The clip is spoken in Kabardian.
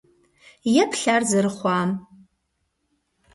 Еплъ ар зэрыхъуам!